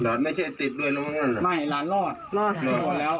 หลานไม่ใช่ติดด้วยแล้วไม่หลานรอดรอดพอแล้ว